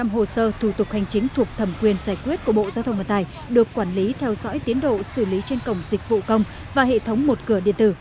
một trăm linh hồ sơ thủ tục hành chính thuộc thẩm quyền giải quyết của bộ giao thông vận tải được quản lý theo dõi tiến độ xử lý trên cổng dịch vụ công và hệ thống một cửa điện tử